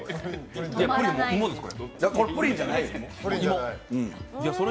プリンじゃない、芋です、これは。